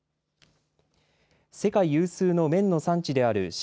世界有数の綿の産地である新疆